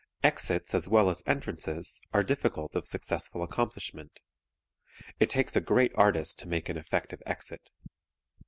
Exits as well as entrances are difficult of successful accomplishment. It takes a great artist to make an effective exit.